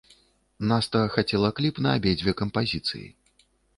Наста хацела кліп на абедзве кампазіцыі.